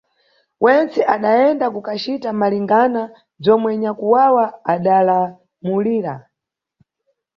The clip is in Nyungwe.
Wentse adayenda kukacita malingana bzomwe nyakwawa adalamulira.